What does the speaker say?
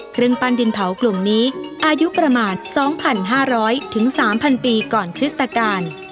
เครื่องปั้นดินเผากลุ่มนี้อายุประมาณ๒๕๐๐๓๐๐ปีก่อนคริสตการ